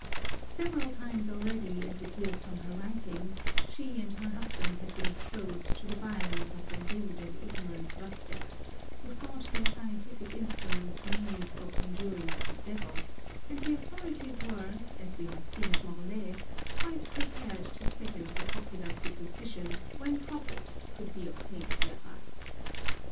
Several times already, as appears from her writings, she and her husband had been exposed to the violence of the rude and ignorant rustics, who thought their scientific instruments means for con juring up the devil, and the authorities were, as we have seen at Morlaix, quite prepared to second the popular superstition when profit could be obtained thereby.